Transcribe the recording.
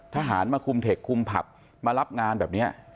ทหารมาคุมเทคคุมผับมารับงานแบบนี้